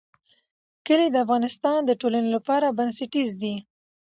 کلي د افغانستان د ټولنې لپاره بنسټیز دي.